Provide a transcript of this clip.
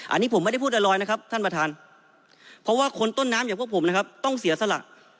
อันนี้ผมไม่ได้พูดอะไรนะครับท่านประธานเพราะว่าคนต้นน้ำอย่างพวกผมนะครับต้องเสียสละ